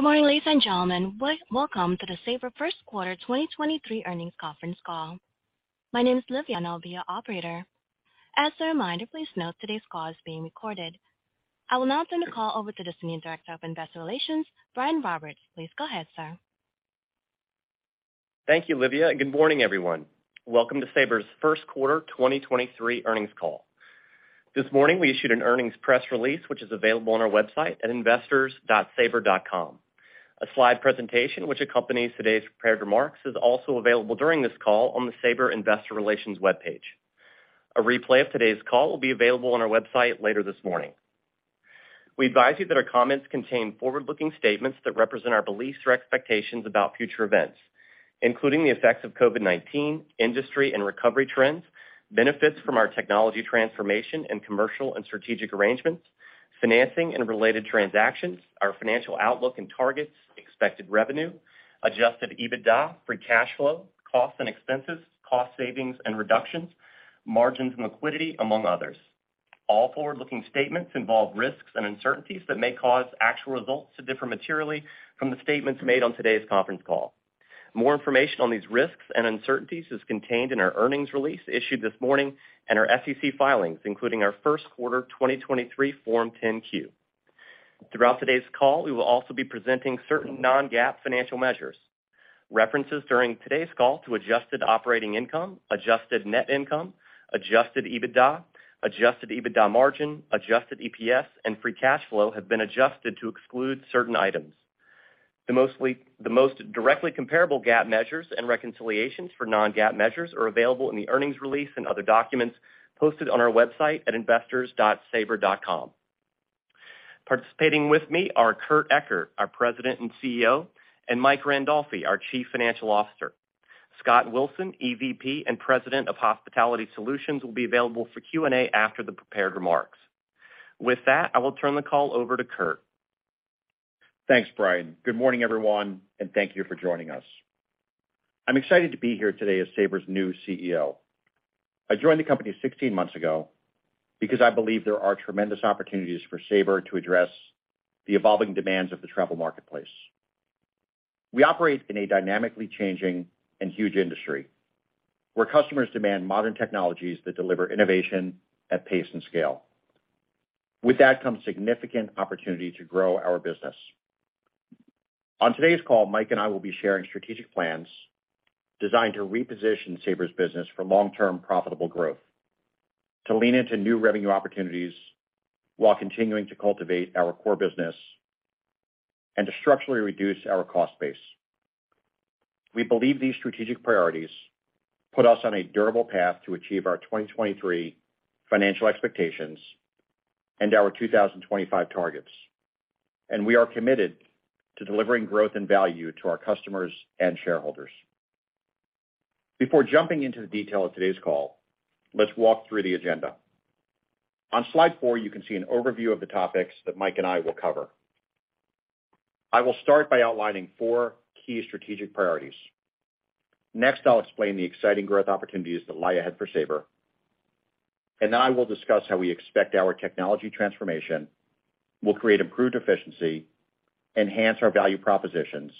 Good morning, ladies and gentlemen. Welcome to the Sabre Q1 2023 Earnings Conference Call. My name is Livia and I'll be your operator. As a reminder, please note today's call is being recorded. I will now turn the call over to the Senior Director of Investor Relations, Brian Roberts. Please go ahead, sir. Thank you, Livia. Good morning, everyone. Welcome to Sabre's Q1 2023 earnings call. This morning, we issued an earnings press release, which is available on our website at investors.sabre.com. A slide presentation which accompanies today's prepared remarks is also available during this call on the Sabre investor relations webpage. A replay of today's call will be available on our website later this morning. We advise you that our comments contain forward-looking statements that represent our beliefs or expectations about future events, including the effects of COVID-19, industry and recovery trends, benefits from our technology transformation and commercial and strategic arrangements, financing and related transactions, our financial outlook and targets, expected revenue, Adjusted EBITDA, free cash flow, costs and expenses, cost savings and reductions, margins and liquidity, among others. All forward-looking statements involve risks and uncertainties that may cause actual results to differ materially from the statements made on today's conference call. More information on these risks and uncertainties is contained in our earnings release issued this morning and our SEC filings, including our Q1 2023 Form 10-Q. Throughout today's call, we will also be presenting certain non-GAAP financial measures. References during today's call to adjusted operating income, adjusted net income, Adjusted EBITDA, Adjusted EBITDA margin, Adjusted EPS and free cash flow have been adjusted to exclude certain items. The most directly comparable GAAP measures and reconciliations for non-GAAP measures are available in the earnings release and other documents posted on our website at investors.sabre.com. Participating with me are Kurt Ekert, our President and CEO and Mike Randolfi, our Chief Financial Officer. Scott Wilson, EVP and President of Hospitality Solutions, will be available for Q&A after the prepared remarks. With that, I will turn the call over to Kurt. Thanks, Brian. Good morning, everyone and thank you for joining us. I'm excited to be here today as Sabre's new CEO. I joined the company 16 months ago because I believe there are tremendous opportunities for Sabre to address the evolving demands of the travel marketplace. We operate in a dynamically changing and huge industry, where customers demand modern technologies that deliver innovation at pace and scale. With that comes significant opportunity to grow our business. On today's call, Mike and I will be sharing strategic plans designed to reposition Sabre's business for long-term profitable growth, to lean into new revenue opportunities while continuing to cultivate our core business and to structurally reduce our cost base. We believe these strategic priorities put us on a durable path to achieve our 2023 financial expectations and our 2025 targets. We are committed to delivering growth and value to our customers and shareholders. Before jumping into the detail of today's call, let's walk through the agenda. On Slide 4, you can see an overview of the topics that Mike and I will cover. I will start by outlining four key strategic priorities. Next, I'll explain the exciting growth opportunities that lie ahead for Sabre and then I will discuss how we expect our technology transformation will create improved efficiency, enhance our value propositions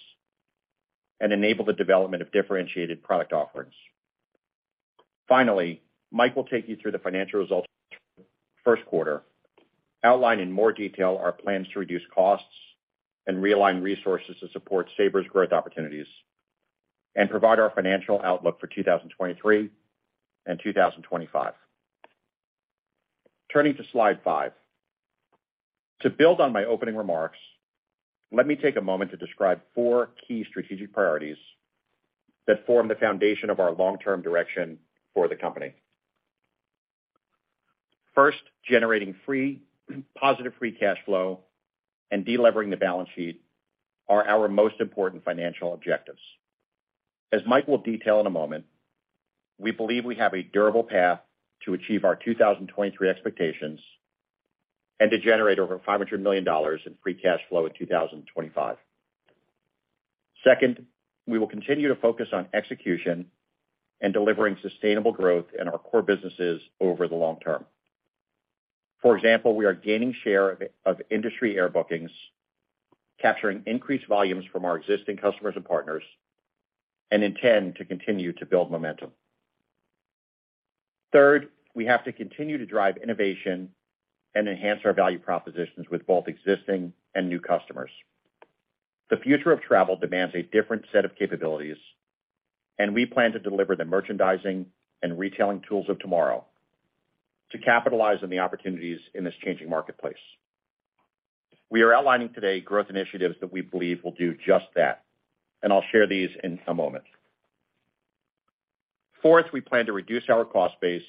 and enable the development of differentiated product offerings. Finally, Mike will take you through the financial results Q1, outline in more detail our plans to reduce costs and realign resources to support Sabre's growth opportunities and provide our financial outlook for 2023 and 2025. Turning to Slide 5. To build on my opening remarks, let me take a moment to describe four key strategic priorities that form the foundation of our long-term direction for the company. First, generating positive free cash flow and delevering the balance sheet are our most important financial objectives. As Mike will detail in a moment, we believe we have a durable path to achieve our 2023 expectations and to generate over $500 million in free cash flow in 2025. We will continue to focus on execution and delivering sustainable growth in our core businesses over the long term. For example, we are gaining share of industry air bookings, capturing increased volumes from our existing customers and partners and intend to continue to build momentum. We have to continue to drive innovation and enhance our value propositions with both existing and new customers. The future of travel demands a different set of capabilities. We plan to deliver the merchandising and retailing tools of tomorrow to capitalize on the opportunities in this changing marketplace. We are outlining today growth initiatives that we believe will do just that. I'll share these in a moment. We plan to reduce our cost base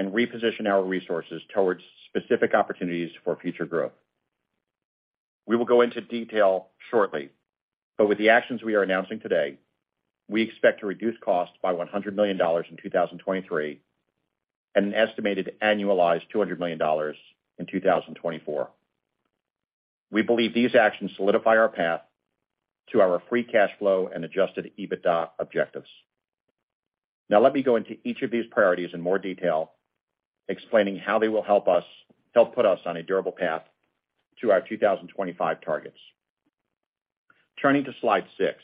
and reposition our resources towards specific opportunities for future growth. We will go into detail shortly, with the actions we are announcing today, we expect to reduce costs by $100 million in 2023 and an estimated annualized $200 million in 2024. We believe these actions solidify our path to our free cash flow and Adjusted EBITDA objectives. Let me go into each of these priorities in more detail, explaining how they will help put us on a durable path to our 2025 targets. Turning to Slide 6.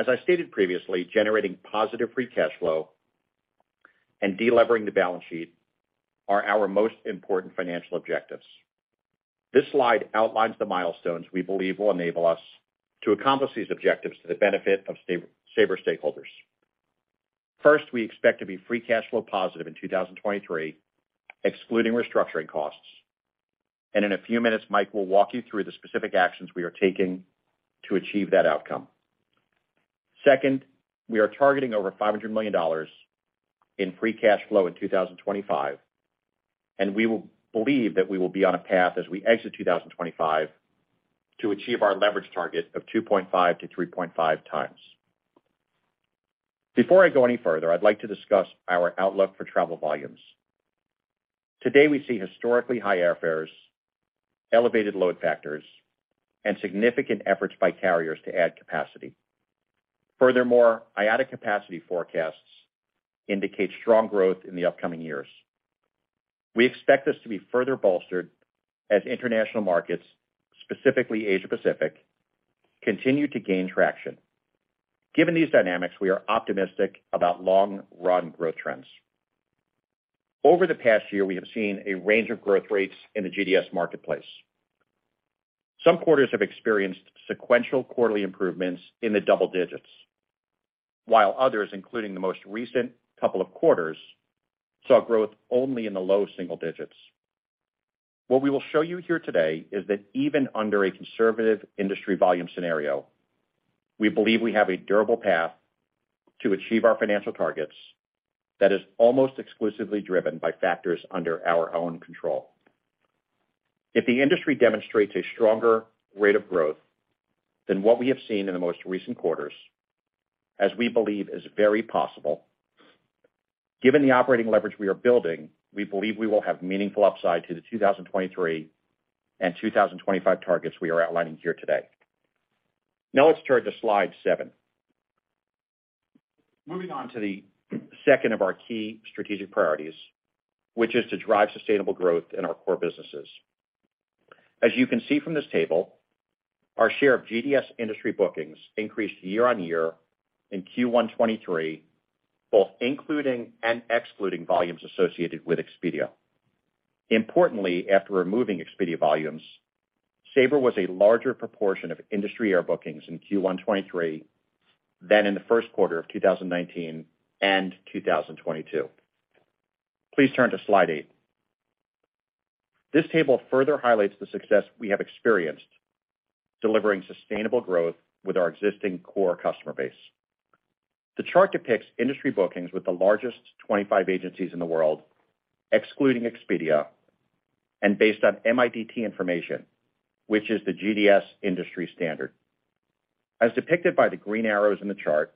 As I stated previously, generating positive free cash flow and delevering the balance sheet are our most important financial objectives. This slide outlines the milestones we believe will enable us to accomplish these objectives to the benefit of Sabre stakeholders. First, we expect to be free cash flow positive in 2023, excluding restructuring costs. In a few minutes, Mike will walk you through the specific actions we are taking to achieve that outcome. Second, we are targeting over $500 million in free cash flow in 2025 and we will believe that we will be on a path as we exit 2025 to achieve our leverage target of 2.5 to 3.5 times. Before I go any further, I'd like to discuss our outlook for travel volumes. Today, we see historically high airfares, elevated load factors and significant efforts by carriers to add capacity. Furthermore, IATA capacity forecasts indicate strong growth in the upcoming years. We expect this to be further bolstered as international markets, specifically Asia Pacific, continue to gain traction. Given these dynamics, we are optimistic about long run growth trends. Over the past year, we have seen a range of growth rates in the GDS marketplace. Some quarters have experienced sequential quarterly improvements in the double digits, while others, including the most recent couple of quarters, saw growth only in the low single digits. What we will show you here today is that even under a conservative industry volume scenario, we believe we have a durable path to achieve our financial targets that is almost exclusively driven by factors under our own control. If the industry demonstrates a stronger rate of growth than what we have seen in the most recent quarters, as we believe is very possible, given the operating leverage we are building, we believe we will have meaningful upside to the 2023 and 2025 targets we are outlining here today. Now let's turn to Slide 7. Moving on to the second of our key strategic priorities, which is to drive sustainable growth in our core businesses. As you can see from this table, our share of GDS industry bookings increased year-over-year in Q1 2023, both including and excluding volumes associated with Expedia. Importantly, after removing Expedia volumes, Sabre was a larger proportion of industry air bookings in Q1 2023 than in the Q1 of 2019 and 2022. Please turn to Slide 8. This table further highlights the success we have experienced delivering sustainable growth with our existing core customer base. The chart depicts industry bookings with the largest 25 agencies in the world, excluding Expedia and based on MIDT information, which is the GDS industry standard. As depicted by the green arrows in the chart,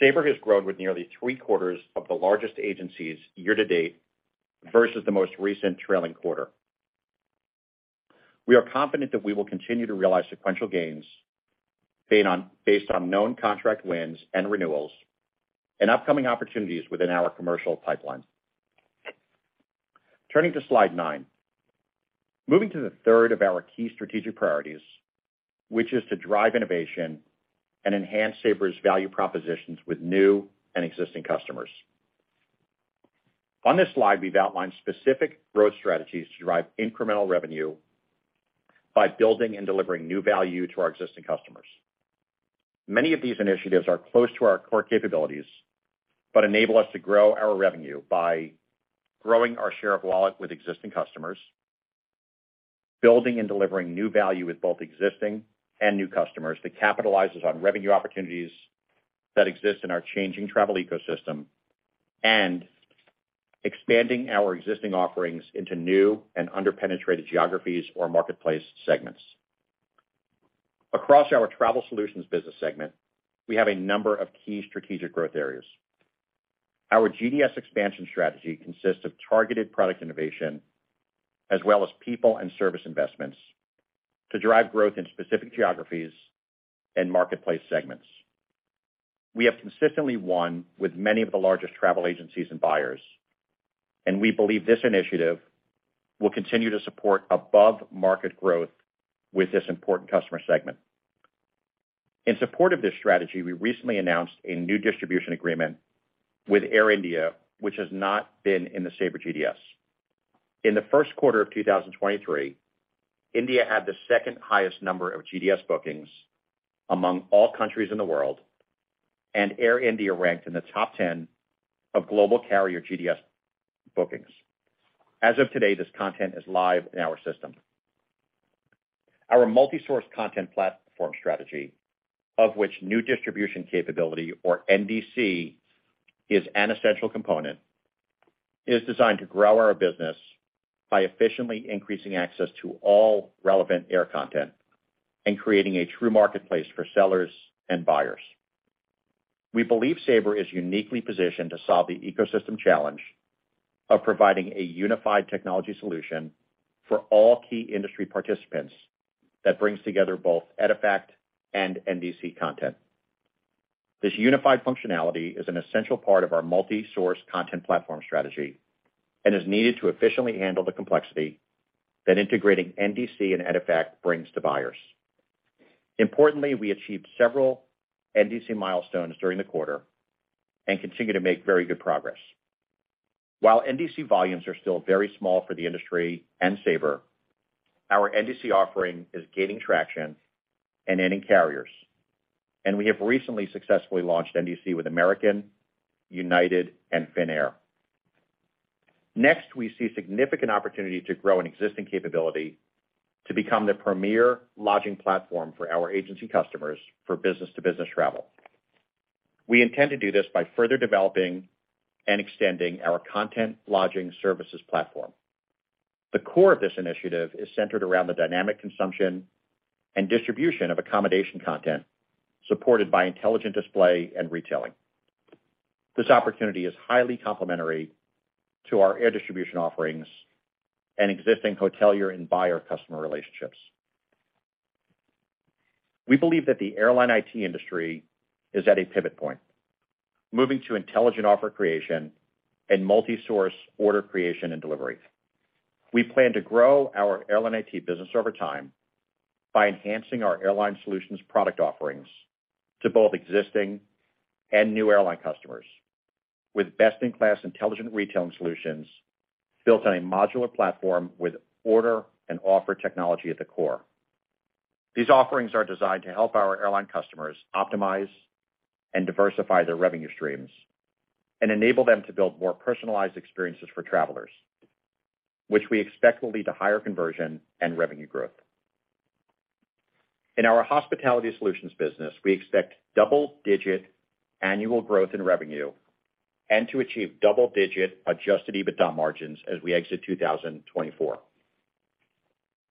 Sabre has grown with nearly three-quarters of the largest agencies year to date versus the most recent trailing quarter. We are confident that we will continue to realize sequential gains based on known contract wins and renewals and upcoming opportunities within our commercial pipeline. Turning to Slide 9. Moving to the third of our key strategic priorities, which is to drive innovation and enhance Sabre's value propositions with new and existing customers. On this slide, we've outlined specific growth strategies to drive incremental revenue by building and delivering new value to our existing customers. Many of these initiatives are close to our core capabilities enable us to grow our revenue by growing our share of wallet with existing customers, building and delivering new value with both existing and new customers that capitalizes on revenue opportunities that exist in our changing travel ecosystem and expanding our existing offerings into new and under-penetrated geographies or marketplace segments. Across our Travel Solutions business segment, we have a number of key strategic growth areas. Our GDS expansion strategy consists of targeted product innovation as well as people and service investments to drive growth in specific geographies and marketplace segments. We have consistently won with many of the largest travel agencies and buyers. We believe this initiative will continue to support above market growth with this important customer segment. In support of this strategy, we recently announced a new distribution agreement with Air India, which has not been in the Sabre GDS. In the Q1 of 2023, India had the second highest number of GDS bookings among all countries in the world and Air India ranked in the top 10 of global carrier GDS bookings. As of today, this content is live in our system. Our multi-source content platform strategy, of which new distribution capability or NDC is an essential component, is designed to grow our business by efficiently increasing access to all relevant air content and creating a true marketplace for sellers and buyers. We believe Sabre is uniquely positioned to solve the ecosystem challenge of providing a unified technology solution for all key industry participants that brings together both EDIFACT and NDC content. This unified functionality is an essential part of our multi-source content platform strategy and is needed to efficiently handle the complexity that integrating NDC and EDIFACT brings to buyers. We achieved several NDC milestones during the quarter and continue to make very good progress. While NDC volumes are still very small for the industry and Sabre, our NDC offering is gaining traction and ending carriers and we have recently successfully launched NDC with American, United and Finnair. We see significant opportunity to grow an existing capability to become the premier lodging platform for our agency customers for business-to-business travel. We intend to do this by further developing and extending our content lodging services platform. The core of this initiative is centered around the dynamic consumption and distribution of accommodation content supported by intelligent display and retailing. This opportunity is highly complementary to our air distribution offerings and existing hotelier and buyer-customer relationships. We believe that the airline IT industry is at a pivot point, moving to intelligent offer creation and multi-source order creation and delivery. We plan to grow our airline IT business over time by enhancing our airline solutions product offerings to both existing and new airline customers with best-in-class intelligent retailing solutions built on a modular platform with order and offer technology at the core. These offerings are designed to help our airline customers optimize and diversify their revenue streams and enable them to build more personalized experiences for travelers, which we expect will lead to higher conversion and revenue growth. In our Hospitality Solutions business, we expect double-digit annual growth in revenue and to achieve double-digit Adjusted EBITDA margins as we exit 2024.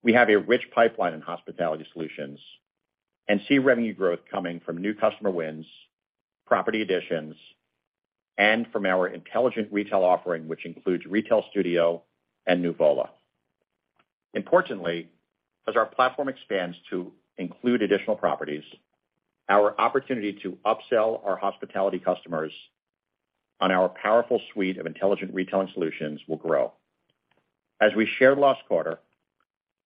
We have a rich pipeline in Hospitality Solutions and see revenue growth coming from new customer wins, property additions and from our intelligent retail offering, which includes Retail Studio and Nuvola. Importantly, as our platform expands to include additional properties, our opportunity to upsell our hospitality customers on our powerful suite of intelligent retailing solutions will grow. As we shared last quarter,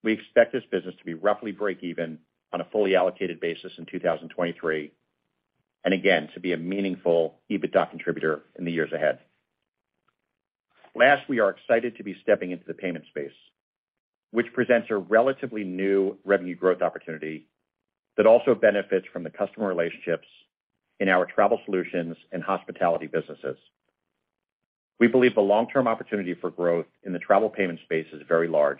we expect this business to be roughly break even on a fully allocated basis in 2023 and again, to be a meaningful EBITDA contributor in the years ahead. Last, we are excited to be stepping into the payment space, which presents a relatively new revenue growth opportunity that also benefits from the customer relationships in our Travel Solutions and hospitality businesses. We believe the long-term opportunity for growth in the travel payment space is very large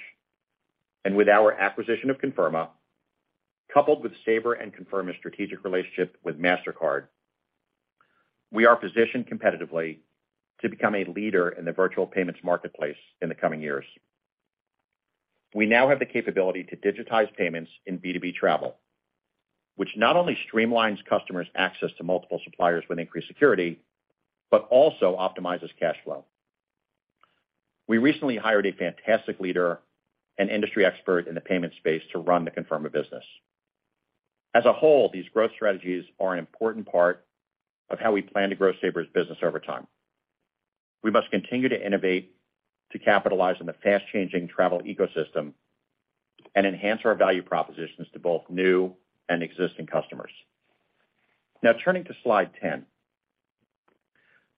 with our acquisition of Conferma, coupled with Sabre and Conferma's strategic relationship with Mastercard, we are positioned competitively to become a leader in the virtual payments marketplace in the coming years. We now have the capability to digitize payments in B2B travel, which not only streamlines customers' access to multiple suppliers with increased security also optimizes cash flow. We recently hired a fantastic leader and industry expert in the payment space to run the Conferma business. As a whole, these growth strategies are an important part of how we plan to grow Sabre's business over time. We must continue to innovate to capitalize on the fast-changing travel ecosystem and enhance our value propositions to both new and existing customers. Now turning to Slide 10.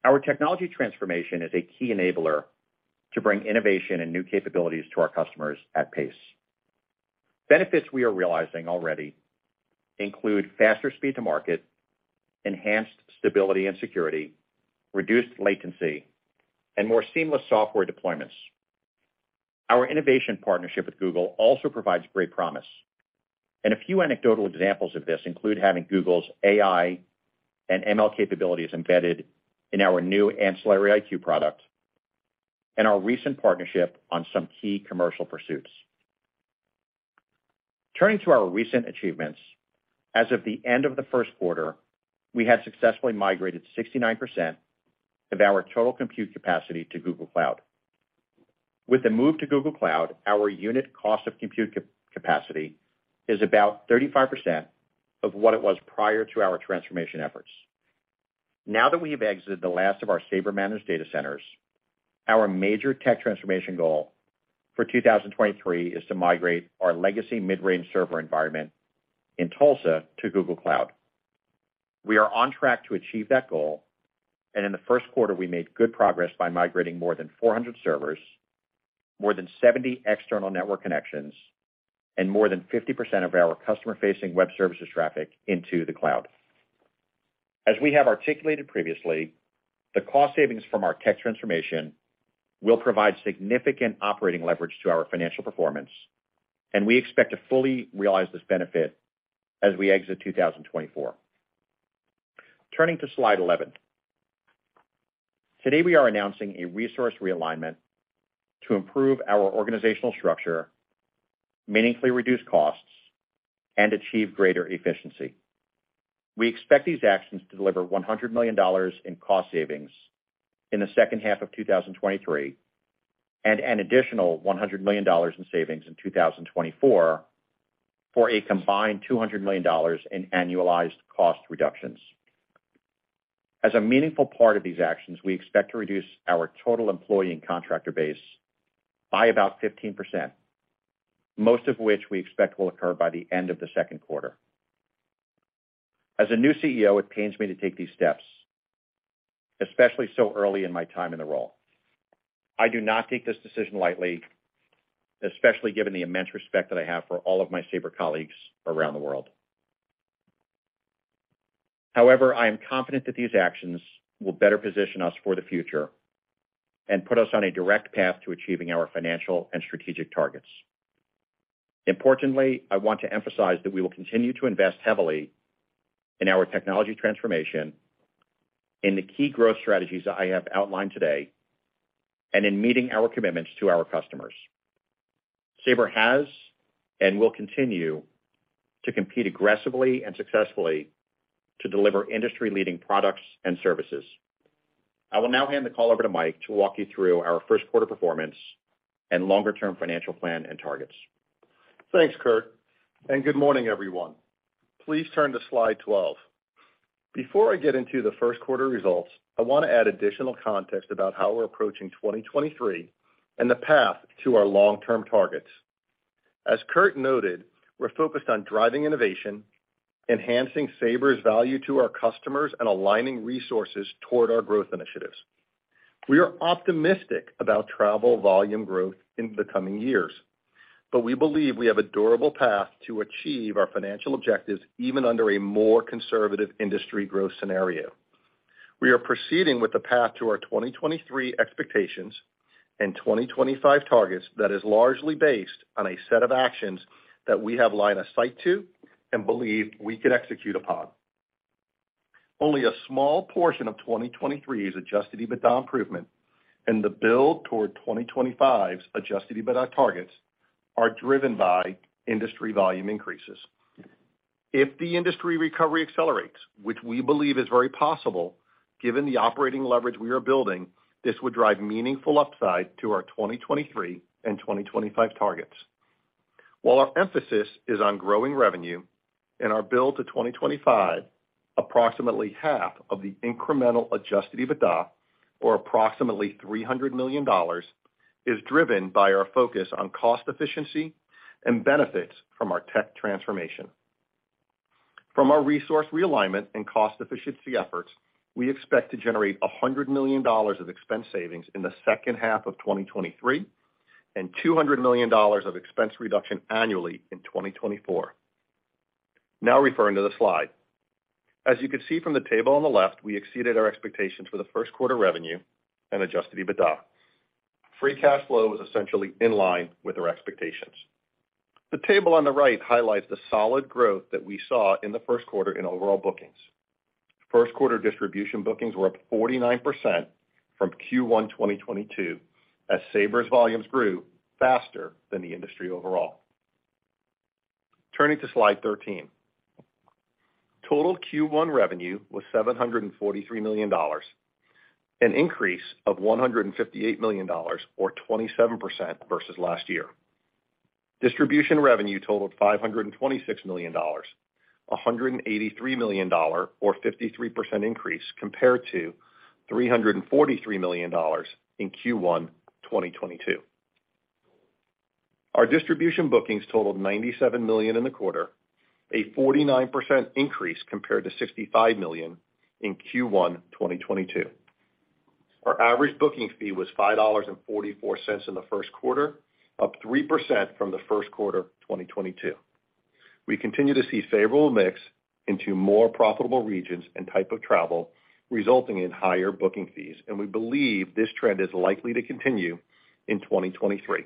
Our technology transformation is a key enabler to bring innovation and new capabilities to our customers at pace. Benefits we are realizing already include faster speed to market, enhanced stability and security, reduced latency more seamless software deployments. Our innovation partnership with Google also provides great promise a few anecdotal examples of this include having Google's AI and ML capabilities embedded in our new Ancillary IQ product and our recent partnership on some key commercial pursuits. Turning to our recent achievements. As of the end of the Q1, we had successfully migrated 69% of our total compute capacity to Google Cloud. With the move to Google Cloud, our unit cost of compute capacity is about 35% of what it was prior to our transformation efforts. Now that we have exited the last of our Sabre-managed data centers, our major tech transformation goal for 2023 is to migrate our legacy mid-range server environment in Tulsa to Google Cloud. In the Q1, we made good progress by migrating more than 400 servers, more than 70 external network connections more than 50% of our customer-facing web services traffic into the cloud. As we have articulated previously, the cost savings from our tech transformation will provide significant operating leverage to our financial performance, we expect to fully realize this benefit as we exit 2024. Turning to Slide 11. Today, we are announcing a resource realignment to improve our organizational structure, meaningfully reduce costs achieve greater efficiency. We expect these actions to deliver $100 million in cost savings in the second half of 2023 and an additional $100 million in savings in 2024 for a combined $200 million in annualized cost reductions. As a meaningful part of these actions, we expect to reduce our total employee and contractor base by about 15%, most of which we expect will occur by the end of the Q2. As a new CEO, it pains me to take these steps, especially so early in my time in the role. I do not take this decision lightly, especially given the immense respect that I have for all of my Sabre colleagues around the world. I am confident that these actions will better position us for the future and put us on a direct path to achieving our financial and strategic targets. Importantly, I want to emphasize that we will continue to invest heavily in our technology transformation in the key growth strategies that I have outlined today and in meeting our commitments to our customers. Sabre has and will continue to compete aggressively and successfully to deliver industry-leading products and services. I will now hand the call over to Mike to walk you through our Q1 performance and longer-term financial plan and targets. Thanks, Kurt. Good morning, everyone. Please turn to Slide 12. Before I get into the Q1 results, I want to add additional context about how we're approaching 2023 and the path to our long-term targets. As Kurt noted, we're focused on driving innovation, enhancing Sabre's value to our customers aligning resources toward our growth initiatives. We are optimistic about travel volume growth in the coming years we believe we have a durable path to achieve our financial objectives even under a more conservative industry growth scenario. We are proceeding with the path to our 2023 expectations and 2025 targets that is largely based on a set of actions that we have line of sight to and believe we could execute upon. Only a small portion of 2023's Adjusted EBITDA improvement and the build toward 2025's Adjusted EBITDA targets are driven by industry volume increases. If the industry recovery accelerates, which we believe is very possible given the operating leverage we are building, this would drive meaningful upside to our 2023 and 2025 targets. While our emphasis is on growing revenue and our build to 2025, approximately half of the incremental Adjusted EBITDA, or approximately $300 million, is driven by our focus on cost efficiency and benefits from our tech transformation. From our resource realignment and cost efficiency efforts, we expect to generate $100 million of expense savings in the second half of 2023 and $200 million of expense reduction annually in 2024. Now referring to the slide. As you can see from the table on the left, we exceeded our expectations for the Q1 revenue and Adjusted EBITDA. Free cash flow was essentially in line with our expectations. The table on the right highlights the solid growth that we saw in the Q1 in overall bookings. Q1 distribution bookings were up 49% from Q1 2022 as Sabre's volumes grew faster than the industry overall. Turning to Slide 13. Total Q1 revenue was $743 million, an increase of $158 million or 27% versus last year. Distribution revenue totaled $526 million, a $183 million or 53% increase compared to $343 million in Q1 2022. Our distribution bookings totaled $97 million in the quarter, a 49% increase compared to $65 million in Q1 2022. Our average booking fee was $5.44 in the Q1, up 3% from the Q1 2022. We continue to see favorable mix into more profitable regions and type of travel resulting in higher booking fees. We believe this trend is likely to continue in 2023.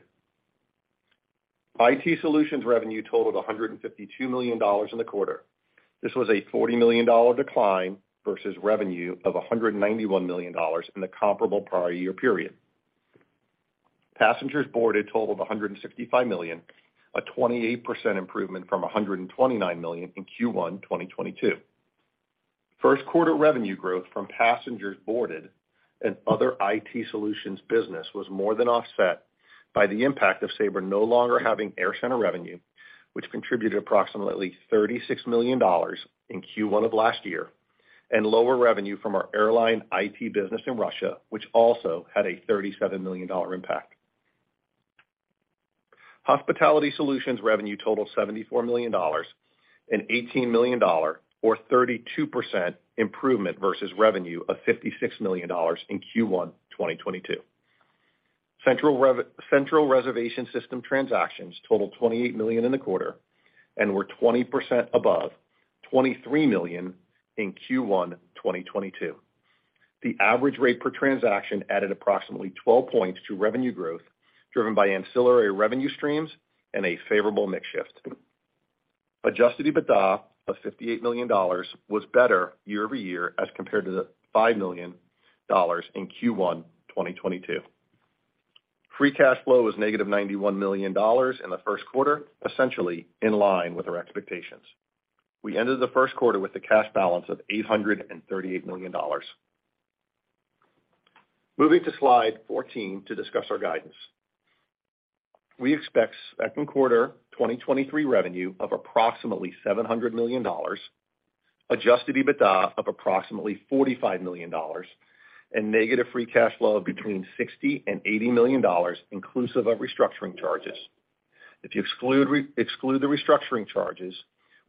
IT solutions revenue totaled $152 million in the quarter. This was a $40 million decline versus revenue of $191 million in the comparable prior year period. Passengers boarded totaled 165 million, a 28% improvement from 129 million in Q1 2022. Q1 revenue growth from passengers boarded and other IT solutions business was more than offset by the impact of Sabre no longer having AirCentre revenue, which contributed approximately $36 million in Q1 of last year lower revenue from our airline IT business in Russia, which also had a $37 million impact. Hospitality Solutions revenue totaled $74 million, an $18 million or 32% improvement versus revenue of $56 million in Q1 2022. Central reservation system transactions totaled 28 million in the quarter and were 20% above 23 million in Q1 2022. The average rate per transaction added approximately 12 points to revenue growth, driven by ancillary revenue streams and a favorable mix shift. Adjusted EBITDA of $58 million was better year-over-year as compared to the $5 million in Q1 2022. Free cash flow was negative $91 million in the Q1, essentially in line with our expectations. We ended the Q1 with a cash balance of $838 million. Moving to Slide 14 to discuss our guidance. We expect Q2 2023 revenue of approximately $700 million, Adjusted EBITDA of approximately $45 million and negative free cash flow of between $60 million and $80 million inclusive of restructuring charges. If you exclude the restructuring charges,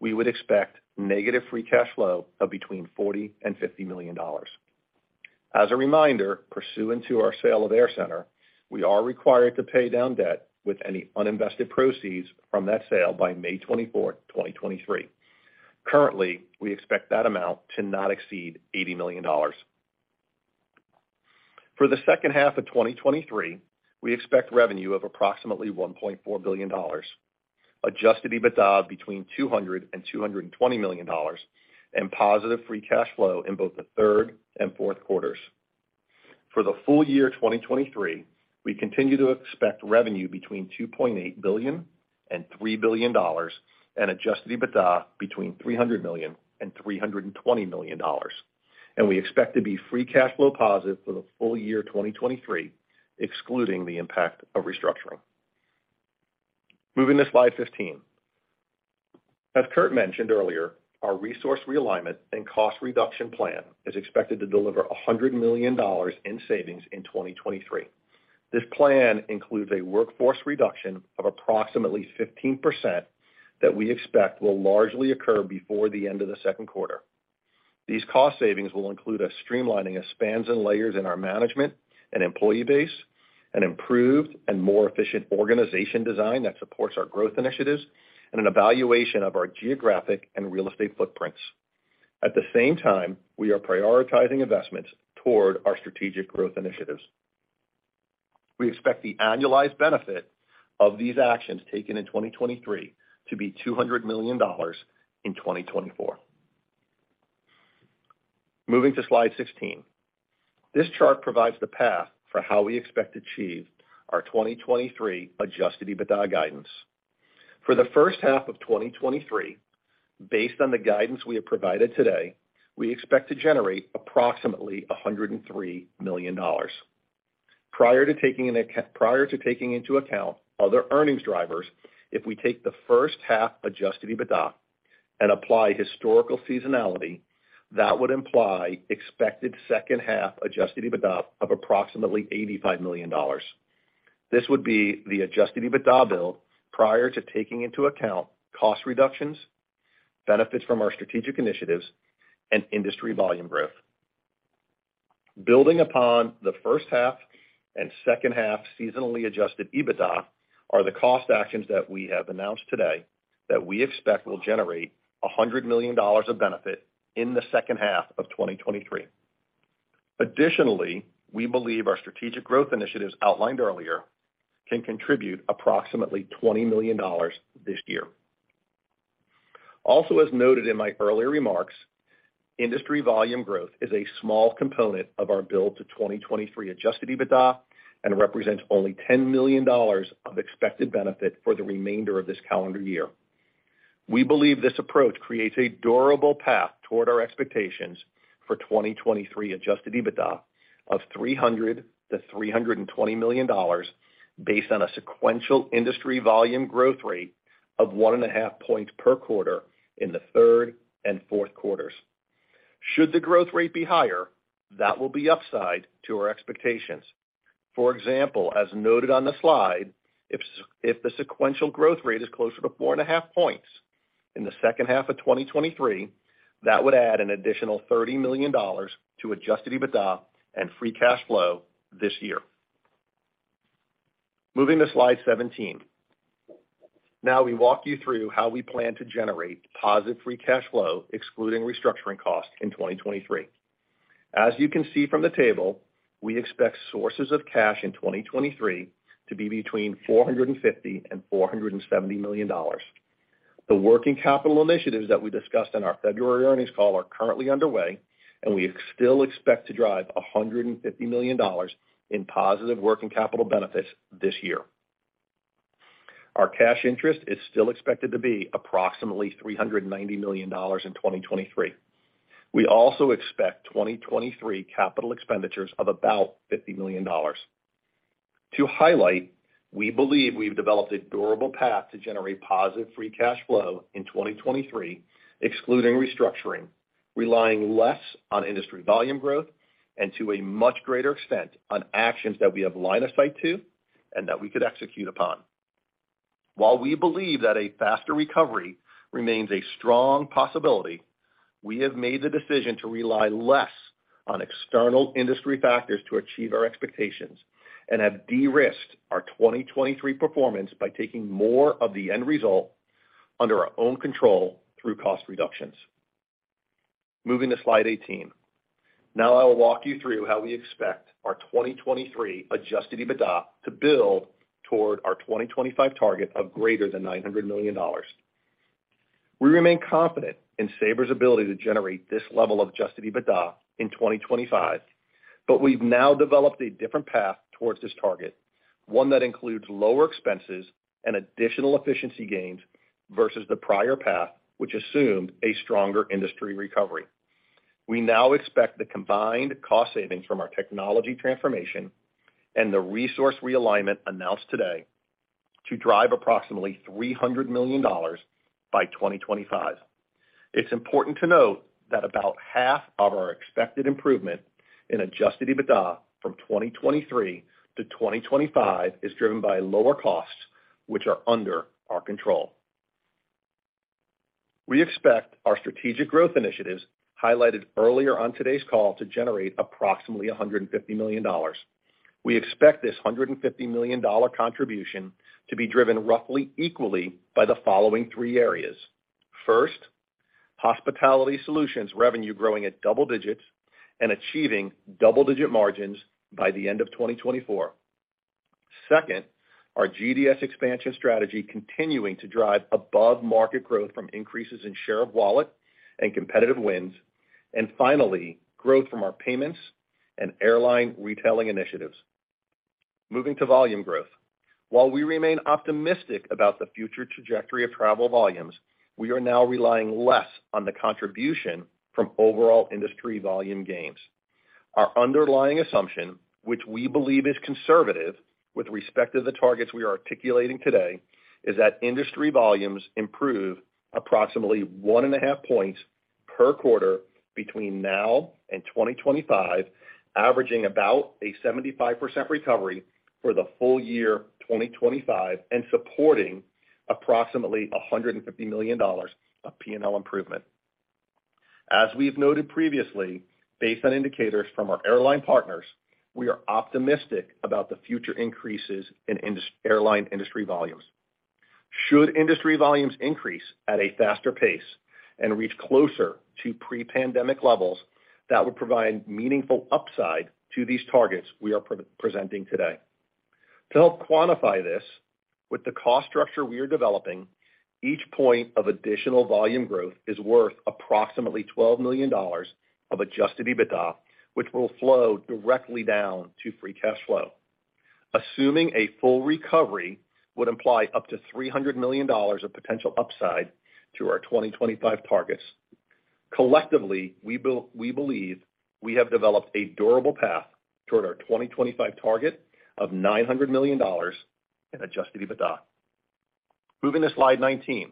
we would expect negative free cash flow of between $40 million and $50 million. As a reminder, pursuant to our sale of AirCentre, we are required to pay down debt with any uninvested proceeds from that sale by May 24th, 2023. Currently, we expect that amount to not exceed $80 million. For the second half of 2023, we expect revenue of approximately $1.4 billion, Adjusted EBITDA between $200 million-$220 million positive free cash flow in both the third and fourth quarters. For the full year 2023, we continue to expect revenue between $2.8 billion and $3 billion and Adjusted EBITDA between $300 million and $320 million we expect to be free cash flow positive for the full year 2023, excluding the impact of restructuring. Moving to Slide 15. As Kurt mentioned earlier, our resource realignment and cost reduction plan is expected to deliver $100 million in savings in 2023. This plan includes a workforce reduction of approximately 15% that we expect will largely occur before the end of the Q2. These cost savings will include us streamlining spans and layers in our management and employee base, an improved and more efficient organization design that supports our growth initiatives an evaluation of our geographic and real estate footprints. At the same time, we are prioritizing investments toward our strategic growth initiatives. We expect the annualized benefit of these actions taken in 2023 to be $200 million in 2024. Moving to Slide 16. This chart provides the path for how we expect to achieve our 2023 Adjusted EBITDA guidance. For the H1 of 2023, based on the guidance we have provided today, we expect to generate approximately $103 million. Prior to taking into account other earnings drivers, if we take the H1 Adjusted EBITDA and apply historical seasonality, that would imply expected second half Adjusted EBITDA of approximately $85 million. This would be the Adjusted EBITDA build prior to taking into account cost reductions, benefits from our strategic initiatives industry volume growth. Building upon the H1 and second half seasonally Adjusted EBITDA are the cost actions that we have announced today that we expect will generate $100 million of benefit in the second half of 2023. Additionally, we believe our strategic growth initiatives outlined earlier can contribute approximately $20 million this year. As noted in my earlier remarks, industry volume growth is a small component of our build to 2023 Adjusted EBITDA and represents only $10 million of expected benefit for the remainder of this calendar year. We believe this approach creates a durable path toward our expectations for 2023 Adjusted EBITDA of $300 million-$320 million based on a sequential industry volume growth rate of 1.5 points per quarter in the 3rd and 4th quarters. Should the growth rate be higher, that will be upside to our expectations. As noted on the slide, if the sequential growth rate is closer to 4.5 points in the second half of 2023, that would add an additional $30 million to Adjusted EBITDA and free cash flow this year. Moving to Slide 17. Now we walk you through how we plan to generate positive free cash flow, excluding restructuring costs in 2023. As you can see from the table, we expect sources of cash in 2023 to be between $450 million and $470 million. The working capital initiatives that we discussed in our February earnings call are currently underway. We still expect to drive $150 million in positive working capital benefits this year. Our cash interest is still expected to be approximately $390 million in 2023. We also expect 2023 capital expenditures of about $50 million. To highlight, we believe we've developed a durable path to generate positive free cash flow in 2023, excluding restructuring, relying less on industry volume growth and to a much greater extent on actions that we have line of sight to and that we could execute upon. While we believe that a faster recovery remains a strong possibility, we have made the decision to rely less on external industry factors to achieve our expectations and have de-risked our 2023 performance by taking more of the end result under our own control through cost reductions. Moving to Slide 18. Now I will walk you through how we expect our 2023 Adjusted EBITDA to build toward our 2025 target of greater than $900 million. We remain confident in Sabre's ability to generate this level of Adjusted EBITDA in 2025 we've now developed a different path towards this target, one that includes lower expenses and additional efficiency gains versus the prior path, which assumed a stronger industry recovery. We now expect the combined cost savings from our technology transformation and the resource realignment announced today to drive approximately $300 million by 2025. It's important to note that about half of our expected improvement in Adjusted EBITDA from 2023 to 2025 is driven by lower costs, which are under our control. We expect our strategic growth initiatives highlighted earlier on today's call to generate approximately $150 million. We expect this $150 million contribution to be driven roughly equally by the following three areas. First, Hospitality Solutions revenue growing at double-digits and achieving double-digit margins by the end of 2024. Second, our GDS expansion strategy continuing to drive above-market growth from increases in share of wallet and competitive wins. Finally, growth from our payments and airline retailing initiatives. Moving to volume growth. While we remain optimistic about the future trajectory of travel volumes, we are now relying less on the contribution from overall industry volume gains. Our underlying assumption, which we believe is conservative with respect to the targets we are articulating today, is that industry volumes improve approximately 1.5 points per quarter between now and 2025, averaging about a 75% recovery for the full year 2025 and supporting approximately $150 million of P&L improvement. As we've noted previously, based on indicators from our airline partners, we are optimistic about the future increases in airline industry volumes. Should industry volumes increase at a faster pace and reach closer to pre-pandemic levels, that would provide meaningful upside to these targets we are presenting today. To help quantify this, with the cost structure we are developing, each point of additional volume growth is worth approximately $12 million of Adjusted EBITDA, which will flow directly down to free cash flow. Assuming a full recovery would imply up to $300 million of potential upside to our 2025 targets. Collectively, we believe we have developed a durable path toward our 2025 target of $900 million in Adjusted EBITDA. Moving to Slide 19.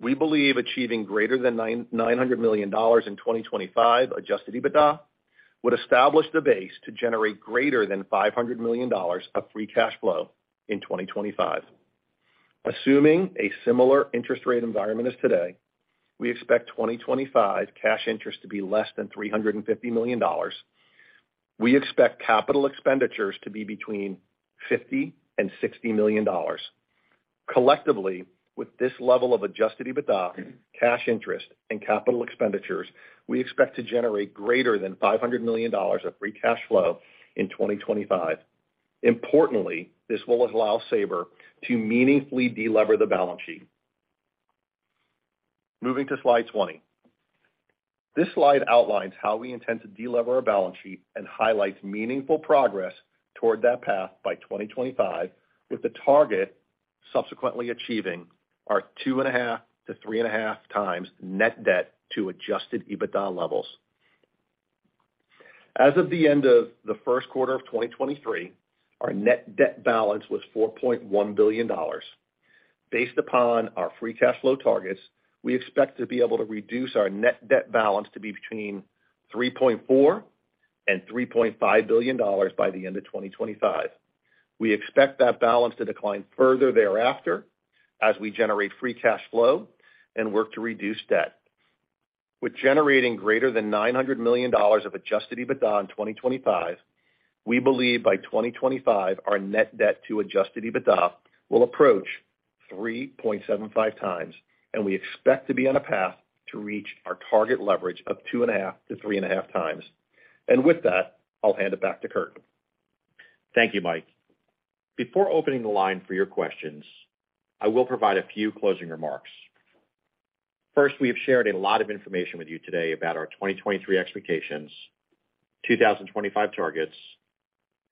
We believe achieving greater than $900 million in 2025 Adjusted EBITDA would establish the base to generate greater than $500 million of free cash flow in 2025. Assuming a similar interest rate environment as today, we expect 2025 cash interest to be less than $350 million. We expect capital expenditures to be between $50 million-$60 million. Collectively, with this level of Adjusted EBITDA, cash interest capital expenditures, we expect to generate greater than $500 million of free cash flow in 2025. Importantly, this will allow Sabre to meaningfully de-lever the balance sheet. Moving to Slide 20. This slide outlines how we intend to de-lever our balance sheet and highlights meaningful progress toward that path by 2025, with the target subsequently achieving our 2.5-3.5x net debt to Adjusted EBITDA levels. As of the end of the Q1 of 2023, our net debt balance was $4.1 billion. Based upon our free cash flow targets, we expect to be able to reduce our net debt balance to be between $3.4 billion and $3.5 billion by the end of 2025. We expect that balance to decline further thereafter as we generate free cash flow and work to reduce debt. With generating greater than $900 million of Adjusted EBITDA in 2025, we believe by 2025, our net debt to Adjusted EBITDA will approach 3.75 times. We expect to be on a path to reach our target leverage of 2.5 to 3.5 times. With that, I'll hand it back to Kurt. Thank you, Mike. Before opening the line for your questions, I will provide a few closing remarks. First, we have shared a lot of information with you today about our 2023 expectations, 2025 targets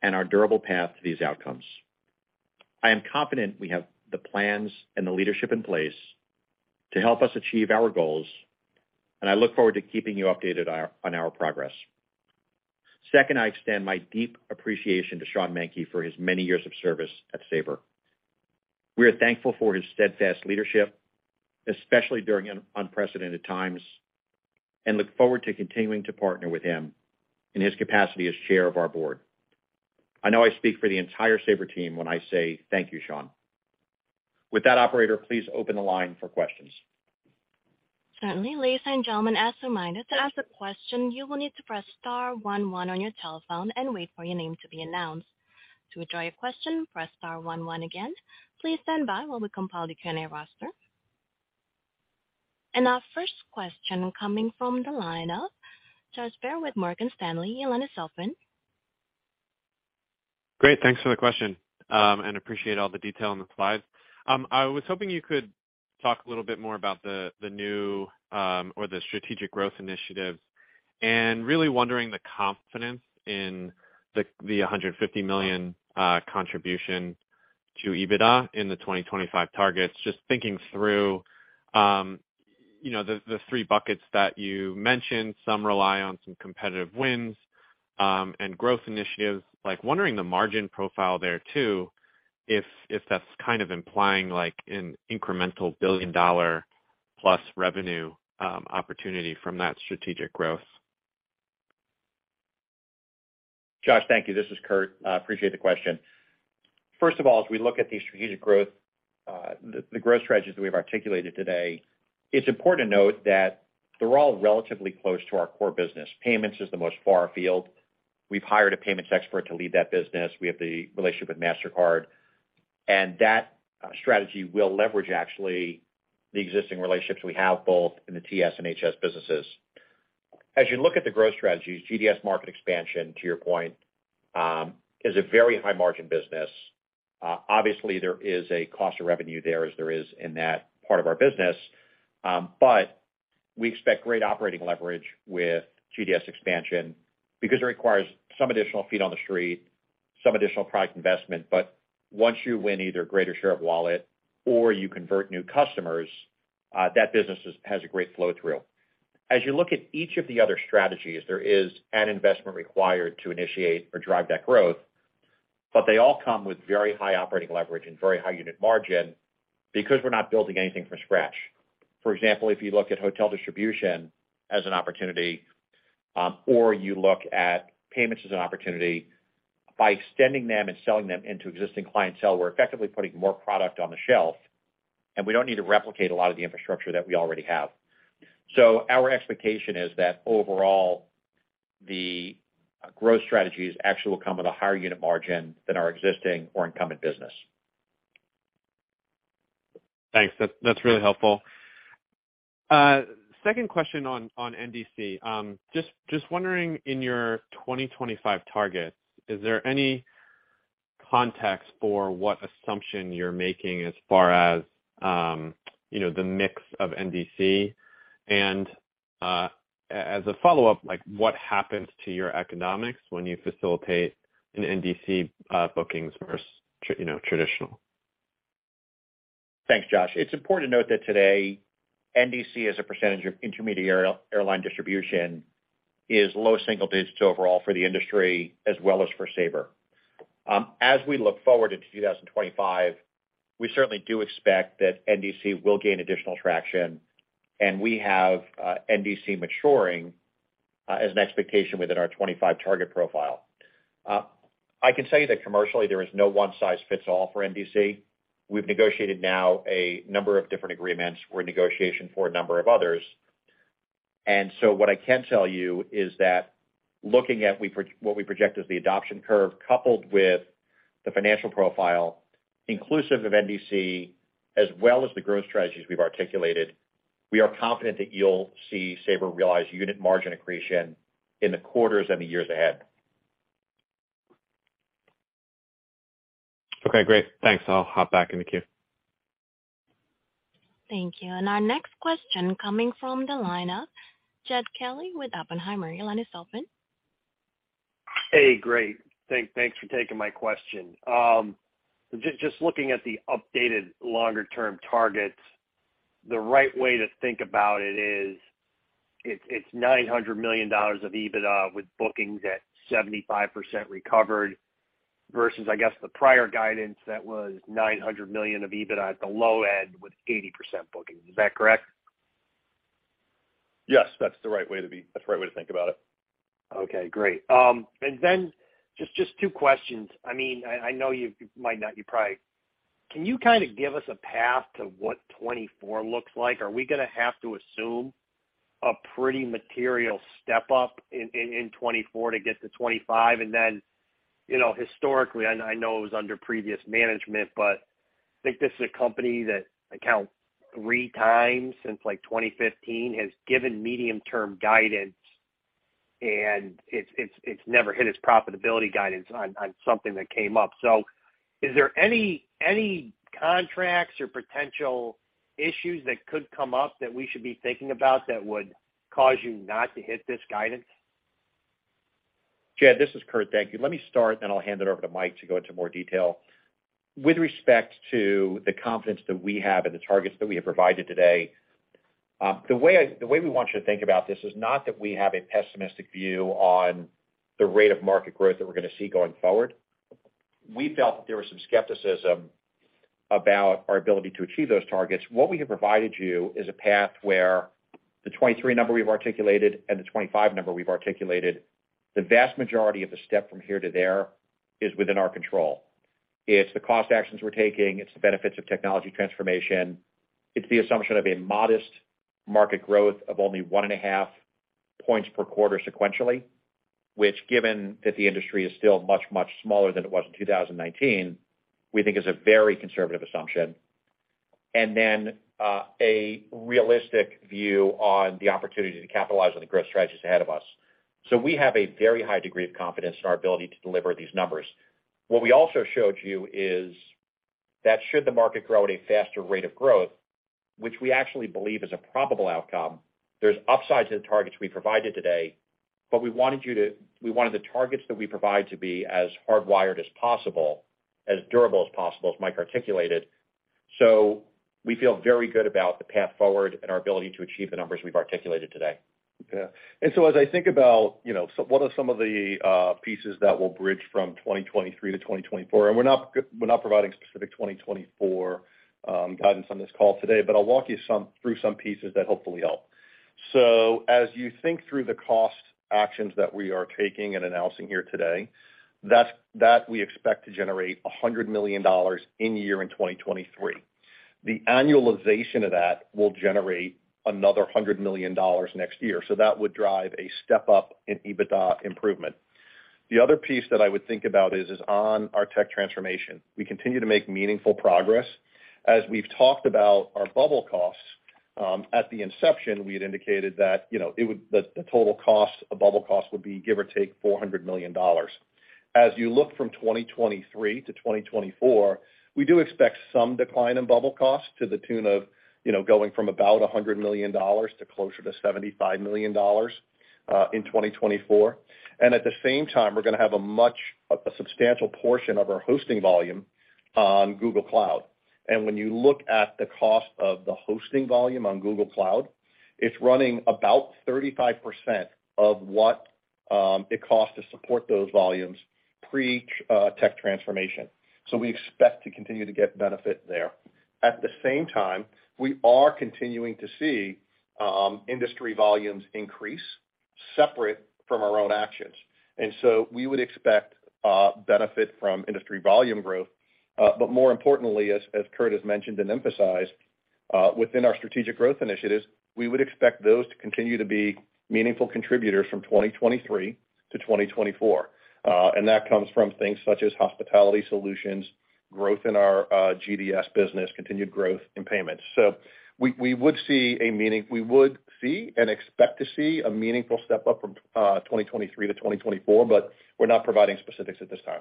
our durable path to these outcomes. I am confident we have the plans and the leadership in place to help us achieve our goals I look forward to keeping you updated on our progress. Second, I extend my deep appreciation to Sean Menke for his many years of service at Sabre. We are thankful for his steadfast leadership, especially during unprecedented times look forward to continuing to partner with him in his capacity as chair of our board. I know I speak for the entire Sabre team when I say thank you, Sean. With that, operator, please open the line for questions. Certainly. Ladies and gentlemen, as reminded, to ask a question, you will need to press star one one on your telephone and wait for your name to be announced. To withdraw your question, press star one one again. Please stand by while we compile the Q&A roster. Our first question coming from the line of Josh Baer with Morgan Stanley, Your line is open. Great. Thanks for the question appreciate all the detail on the slides. I was hoping you could talk a little bit more about the new, or the strategic growth initiatives and really wondering the confidence in the $150 million contribution to EBITDA in the 2025 targets. Just thinking through, you know, the three buckets that you mentioned, some rely on some competitive wins growth initiatives. Like wondering the margin profile there too, if that's kind of implying like an incremental billion-dollar plus revenue opportunity from that strategic growth. Josh, thank you. This is Kurt. I appreciate the question. First of all, as we look at the strategic growth, the growth strategies that we've articulated today, it's important to note that they're all relatively close to our core business. Payments is the most far field. We've hired a payments expert to lead that business. We have the relationship with Mastercard that strategy will leverage actually the existing relationships we have both in the TS and HS businesses. As you look at the growth strategies, GDS market expansion, to your point, is a very high margin business. Obviously there is a cost of revenue there as there is in that part of our business we expect great operating leverage with GDS expansion because it requires some additional feet on the street, some additional product investment. Once you win either greater share of wallet or you convert new customers, that business has a great flow through. As you look at each of the other strategies, there is an investment required to initiate or drive that growth they all come with very high operating leverage and very high unit margin because we're not building anything from scratch. For example, if you look at hotel distribution as an opportunity, or you look at payments as an opportunity, by extending them and selling them into existing client sale, we're effectively putting more product on the shelf we don't need to replicate a lot of the infrastructure that we already have. Our expectation is that overall, the growth strategies actually will come with a higher unit margin than our existing or incumbent business. Thanks. That's really helpful. Second question on NDC. Just wondering in your 2025 targets, is there any context for what assumption you're making as far as, you know, the mix of NDC? As a follow-up, like what happens to your economics when you facilitate an NDC bookings versus you know, traditional? Thanks, Josh. It's important to note that today NDC as a percentage of intermediary airline distribution is low single digits overall for the industry as well as for Sabre. As we look forward into 2025, we certainly do expect that NDC will gain additional traction we have NDC maturing as an expectation within our 25 target profile. I can tell you that commercially there is no one size fits all for NDC. We've negotiated now a number of different agreements. We're in negotiation for a number of others. What I can tell you is that looking at what we project as the adoption curve coupled with the financial profile inclusive of NDC as well as the growth strategies we've articulated, we are confident that you'll see Sabre realize unit margin accretion in the quarters and the years ahead. Okay, great. Thanks. I'll hop back in the queue. Thank you. Our next question coming from the line of Jed Kelly with Oppenheimer. Your line is open. Hey, great. Thanks for taking my question. Just looking at the updated longer term targets, the right way to think about it is it's $900 million of EBITDA with bookings at 75% recovered versus, I guess, the prior guidance that was $900 million of EBITDA at the low end with 80% bookings. Is that correct? Yes, that's the right way to think about it. Okay, great. Just two questions. I mean, I know you might not. Can you kind of give us a path to what 2024 looks like? Are we gonna have to assume a pretty material step up in 2024 to get to 2025? You know, historically, I know it was under previous management I think this is a company that I count 3 times since like 2015 has given medium-term guidance and it's never hit its profitability guidance on something that came up. Is there any contracts or potential issues that could come up that we should be thinking about that would cause you not to hit this guidance? Jed, this is Kurt. Thank you. Let me start, then I'll hand it over to Mike to go into more detail. With respect to the confidence that we have and the targets that we have provided today, the way we want you to think about this is not that we have a pessimistic view on the rate of market growth that we're gonna see going forward. We felt that there was some skepticism about our ability to achieve those targets. What we have provided you is a path where the 23 number we've articulated and the 25 number we've articulated, the vast majority of the step from here to there is within our control. It's the cost actions we're taking, it's the benefits of technology transformation. It's the assumption of a modest market growth of only 1.5 points per quarter sequentially, which given that the industry is still much, much smaller than it was in 2019, we think is a very conservative assumption. A realistic view on the opportunity to capitalize on the growth strategies ahead of us. We have a very high degree of confidence in our ability to deliver these numbers. What we also showed you is that should the market grow at a faster rate of growth, which we actually believe is a probable outcome, there's upsides to the targets we provided today. We wanted the targets that we provide to be as hardwired as possible, as durable as possible, as Mike articulated. We feel very good about the path forward and our ability to achieve the numbers we've articulated today. Yeah. As I think about, you know, what are some of the pieces that will bridge from 2023 to 2024 we're not providing specific 2024 guidance on this call today I'll walk you through some pieces that hopefully help. As you think through the cost actions that we are taking and announcing here today, that we expect to generate $100 million in year in 2023. The annualization of that will generate another $100 million next year. That would drive a step up in EBITDA improvement. The other piece that I would think about is on our tech transformation. We continue to make meaningful progress. As we've talked about our bubble costs, at the inception, we had indicated that, you know, the total cost of bubble costs would be, give or take, $400 million. As you look from 2023 to 2024, we do expect some decline in bubble costs to the tune of, you know, going from about $100 million to closer to $75 million in 2024. At the same time, we're gonna have a much, substantial portion of our hosting volume on Google Cloud. When you look at the cost of the hosting volume on Google Cloud, it's running about 35% of what it costs to support those volumes pre tech transformation. We expect to continue to get benefit there. At the same time, we are continuing to see industry volumes increase separate from our own actions. We would expect benefit from industry volume growth. More importantly, as Kurt has mentioned and emphasized, within our strategic growth initiatives, we would expect those to continue to be meaningful contributors from 2023 to 2024. That comes from things such as Hospitality Solutions, growth in our GDS business, continued growth in payments. We would see and expect to see a meaningful step-up from 2023 to 2024 we're not providing specifics at this time.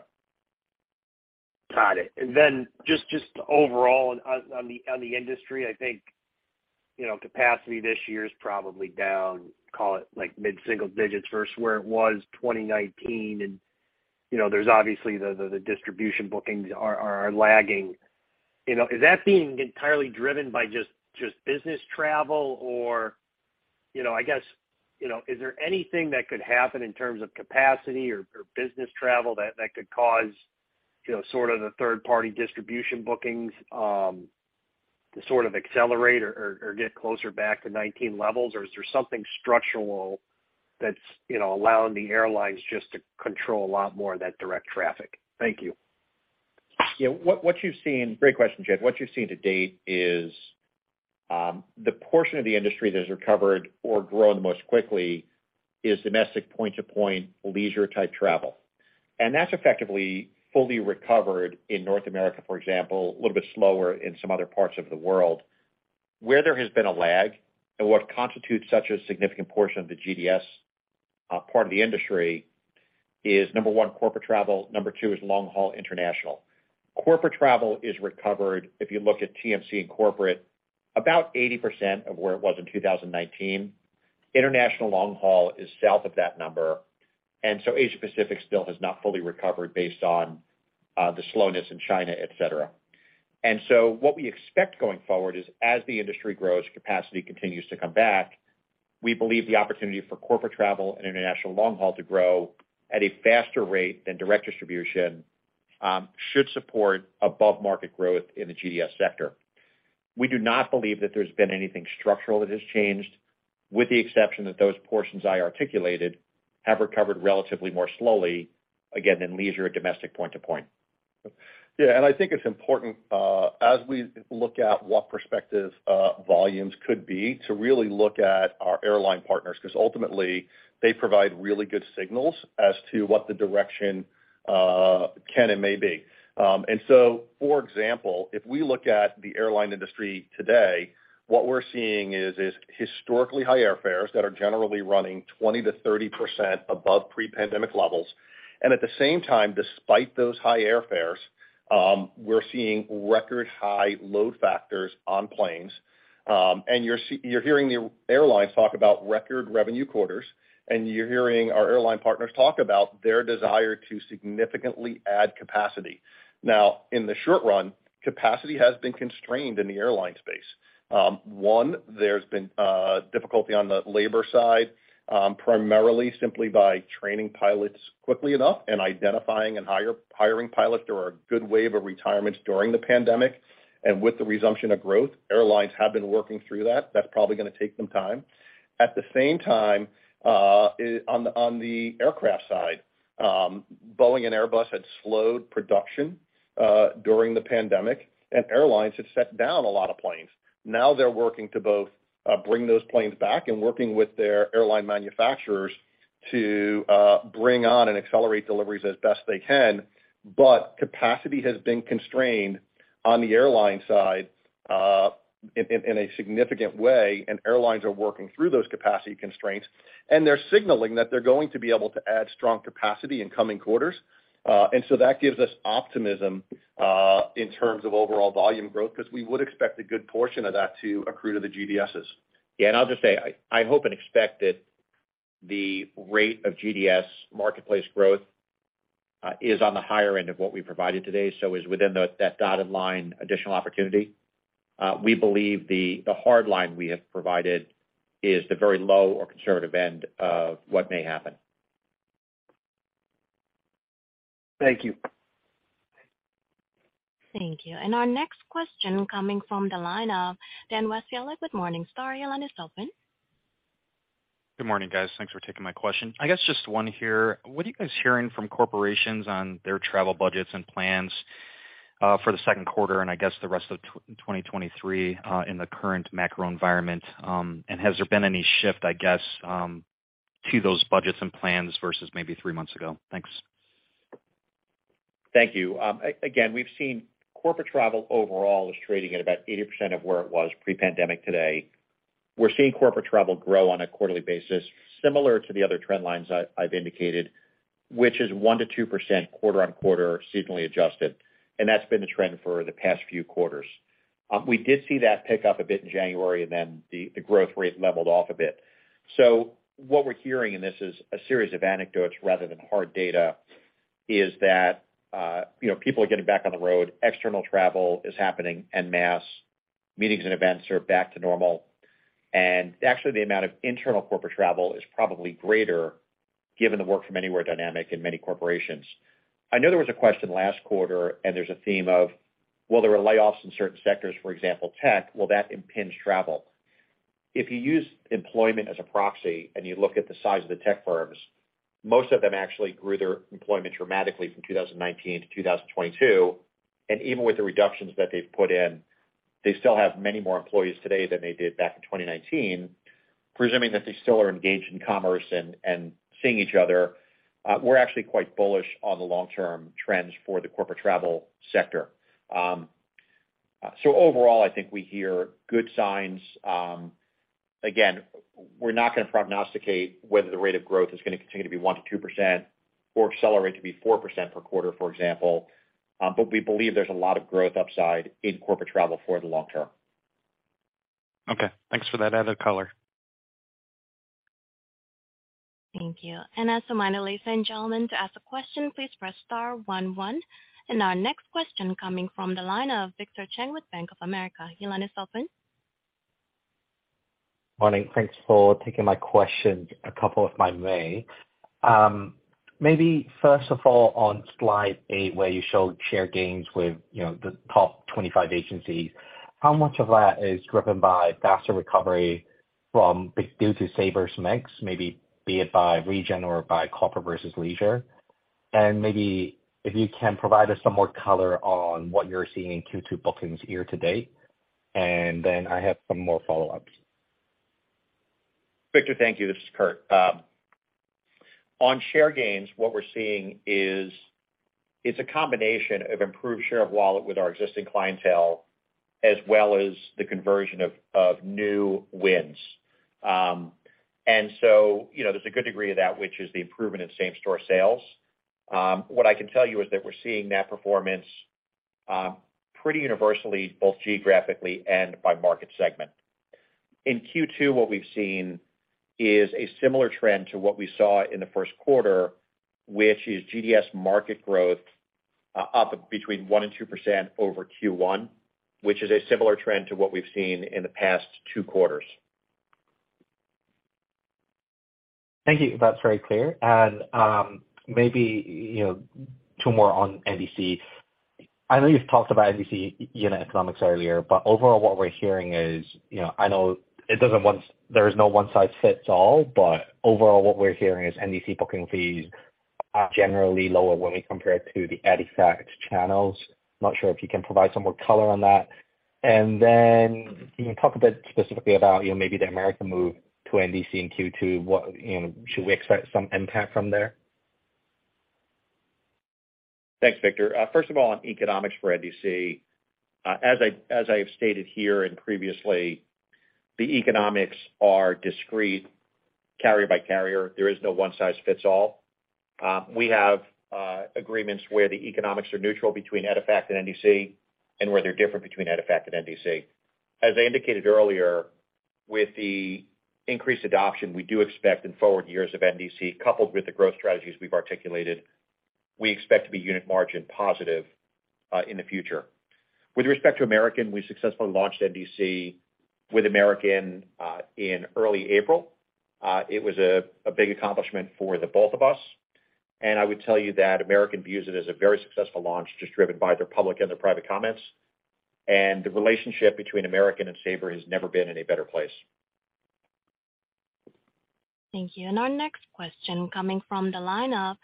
Got it. Just overall on the industry, I think, you know, capacity this year is probably down, call it like mid-single digits versus where it was 2019. You know, there's obviously the distribution bookings are lagging. You know, is that being entirely driven by just business travel? Or, you know, I guess, you know, is there anything that could happen in terms of capacity or business travel that could cause, you know, sort of the third-party distribution bookings to sort of accelerate or get closer back to 19 levels? Or is there something structural that's, you know, allowing the airlines just to control a lot more of that direct traffic? Thank you. Yeah. What you've seen. Great question, Jed. What you've seen to date is the portion of the industry that has recovered or grown the most quickly is domestic point-to-point leisure-type travel. That's effectively fully recovered in North America, for example, a little bit slower in some other parts of the world. Where there has been a lag and what constitutes such a significant portion of the GDS part of the industry is, number one, corporate travel, number two is long-haul international. Corporate travel is recovered, if you look at TMC and corporate, about 80% of where it was in 2019. International long haul is south of that number. Asia Pacific still has not fully recovered based on the slowness in China, et cetera. What we expect going forward is as the industry grows, capacity continues to come back, we believe the opportunity for corporate travel and international long haul to grow at a faster rate than direct distribution, should support above-market growth in the GDS sector. We do not believe that there's been anything structural that has changed, with the exception that those portions I articulated have recovered relatively more slowly, again, than leisure domestic point-to-point. Yeah. I think it's important, as we look at what perspective, volumes could be to really look at our airline partners cause ultimately they provide really good signals as to what the direction, can and may be. For example, if we look at the airline industry today, what we're seeing is historically high airfares that are generally running 20%-30% above pre-pandemic levels. At the same time, despite those high airfares, we're seeing record high load factors on planes. You're hearing the airlines talk about record revenue quarters you're hearing our airline partners talk about their desire to significantly add capacity. Now, in the short run, capacity has been constrained in the airline space. One, there's been difficulty on the labor side, primarily simply by training pilots quickly enough and identifying and hiring pilots. There were a good wave of retirements during the pandemic. With the resumption of growth, airlines have been working through that. That's probably gonna take some time. At the same time, on the aircraft side, Boeing and Airbus had slowed production during the pandemic airlines had set down a lot of planes. Now they're working to both bring those planes back and working with their airline manufacturers to bring on and accelerate deliveries as best they can. Capacity has been constrained on the airline side, in a significant way airlines are working through those capacity constraints they're signaling that they're going to be able to add strong capacity in coming quarters. That gives us optimism, in terms of overall volume growth cause we would expect a good portion of that to accrue to the GDS. Yeah. I'll just say, I hope and expect that the rate of GDS marketplace growth is on the higher end of what we provided today, so is within that dotted line additional opportunity. We believe the hard line we have provided is the very low or conservative end of what may happen. Thank you. Thank you. Our next question coming from the line of Dan Wasiolek with Morningstar. Your line is open. Good morning, guys. Thanks for taking my question. I guess just one here. What are you guys hearing from corporations on their travel budgets and plans for the Q2 and I guess the rest of 2023 in the current macro environment? Has there been any shift, I guess, to those budgets and plans versus maybe three months ago? Thanks. Thank you. Again, we've seen corporate travel overall is trading at about 80% of where it was pre-pandemic today. We're seeing corporate travel grow on a quarterly basis, similar to the other trend lines I've indicated, which is 1%-2% quarter-on-quarter seasonally adjusted that's been the trend for the past few quarters. We did see that pick up a bit in January then the growth rate leveled off a bit. What we're hearing this is a series of anecdotes rather than hard data, is that, you know, people are getting back on the road, external travel is happening en masse, meetings and events are back to normal. Actually the amount of internal corporate travel is probably greater given the work from anywhere dynamic in many corporations. I know there was a question last quarter there's a theme of, well, there were layoffs in certain sectors, for example, tech, will that impinge travel? If you use employment as a proxy and you look at the size of the tech firms, most of them actually grew their employment dramatically from 2019 to 2022. Even with the reductions that they've put in, they still have many more employees today than they did back in 2019. Presuming that they still are engaged in commerce and seeing each other, we're actually quite bullish on the long-term trends for the corporate travel sector. Overall I think we hear good signs. Again, we're not gonna prognosticate whether the rate of growth is gonna continue to be 1%-2% or accelerate to be 4% per quarter, for example. We believe there's a lot of growth upside in corporate travel for the long term. Okay. Thanks for that added color. Thank you. As a reminder, ladies and gentlemen, to ask a question please press star one one. Our next question coming from the line of Victor Cheng with Bank of America. Your line is open. Morning. Thanks for taking my question. A couple if I may. Maybe first of all on Slide 8 where you show share gains with, you know, the top 25 agencies, how much of that is driven by faster recovery due to Sabre's mix, maybe be it by region or by corporate versus leisure? Maybe if you can provide us some more color on what you're seeing in Q2 bookings year to date. I have some more follow-ups. Victor, thank you. This is Kurt. On share gains, what we're seeing is it's a combination of improved share of wallet with our existing clientele as well as the conversion of new wins. You know, there's a good degree of that which is the improvement in same store sales. What I can tell you is that we're seeing that performance pretty universally, both geographically and by market segment. In Q2, what we've seen is a similar trend to what we saw in the Q1, which is GDS market growth, up between 1% and 2% over Q1, which is a similar trend to what we've seen in the past two quarters. Thank you. That's very clear. Maybe, you know, two more on NDC. I know you've talked about NDC unit economics earlier overall what we're hearing is, you know, there is no one size fits all overall what we're hearing is NDC booking fees are generally lower when we compare it to the EDIFACT channels. Not sure if you can provide some more color on that. Then can you talk a bit specifically about, you know, maybe the American move to NDC in Q2? What, you know, should we expect some impact from there? Thanks, Victor. First of all, on economics for NDC, as I have stated here and previously, the economics are discrete carrier by carrier. There is no one size fits all. We have agreements where the economics are neutral between EDIFACT and NDC and where they're different between EDIFACT and NDC. As I indicated earlier, with the increased adoption, we do expect in forward years of NDC, coupled with the growth strategies we've articulated, we expect to be unit margin positive in the future. With respect to American, we successfully launched NDC with American in early April. It was a big accomplishment for the both of us I would tell you that American views it as a very successful launch just driven by their public and their private comments. The relationship between American and Sabre has never been in a better place. Thank you. Our next question coming from the line of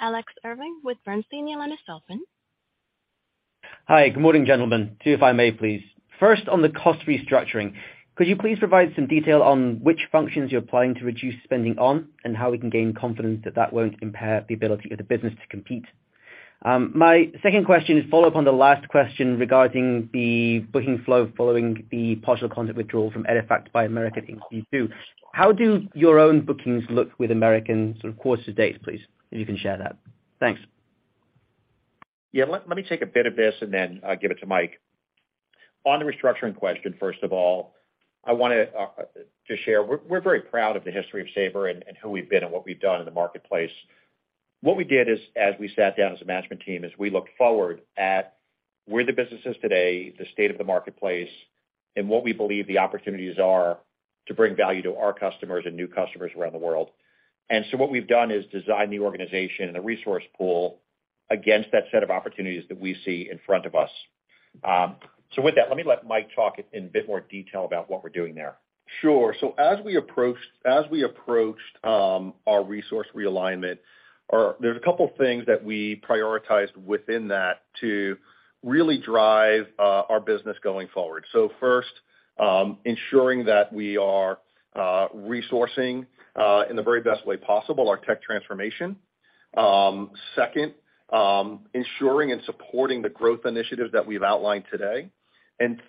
Alex Irving with Bernstein. Your line is open. Hi, good morning, gentlemen. Two if I may, please. First on the cost restructuring, could you please provide some detail on which functions you're planning to reduce spending on and how we can gain confidence that that won't impair the ability of the business to compete? My second question is follow-up on the last question regarding the booking flow following the partial content withdrawal from EDIFACT by American. How do your own bookings look with American sort of course to date, please, if you can share that? Thanks. Yeah. Let me take a bit of this and then give it to Mike. On the restructuring question, first of all, I wanna to share, we're very proud of the history of Sabre and who we've been and what we've done in the marketplace. What we did is, as we sat down as a management team, is we looked forward at where the business is today, the state of the marketplace what we believe the opportunities are to bring value to our customers and new customers around the world. What we've done is design the organization and the resource pool against that set of opportunities that we see in front of us. With that, let me let Mike talk in a bit more detail about what we're doing there. Sure. As we approached, our resource realignment, or there's a couple of things that we prioritized within that to really drive our business going forward. First, ensuring that we are resourcing in the very best way possible our tech transformation. Second, ensuring and supporting the growth initiatives that we've outlined today.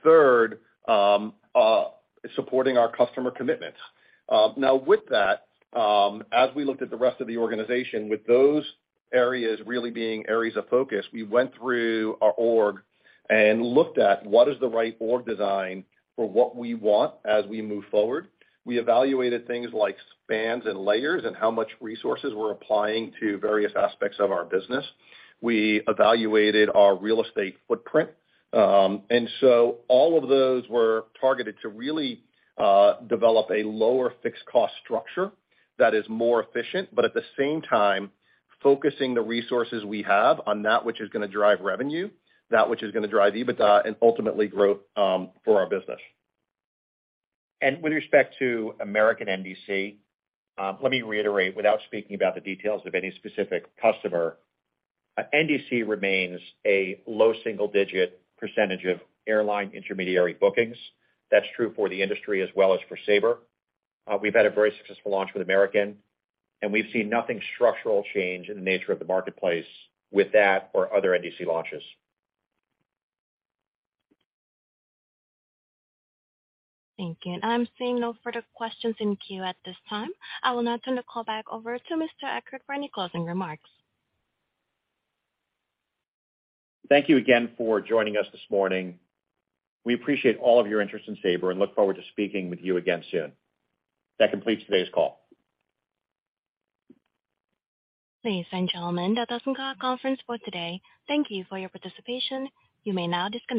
Third, supporting our customer commitments. Now with that, as we looked at the rest of the organization, with those areas really being areas of focus, we went through our org and looked at what is the right org design for what we want as we move forward. We evaluated things like spans and layers and how much resources we're applying to various aspects of our business. We evaluated our real estate footprint. All of those were targeted to really develop a lower fixed cost structure that is more efficient at the same time, focusing the resources we have on that which is gonna drive revenue, that which is gonna drive EBITDA and ultimately growth for our business. With respect to American NDC, let me reiterate without speaking about the details of any specific customer, NDC remains a low single-digit % of airline intermediary bookings. That's true for the industry as well as for Sabre. We've had a very successful launch with american we've seen nothing structural change in the nature of the marketplace with that or other NDC launches. Thank you. I'm seeing no further questions in queue at this time. I will now turn the call back over to Mr. Ekert for any closing remarks. Thank you again for joining us this morning. We appreciate all of your interest in Sabre and look forward to speaking with you again soon. That completes today's call. Ladies and gentlemen, that does end our conference for today. Thank you for your participation. You may now disconnect.